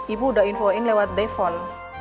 ibu udah infoin lewat devon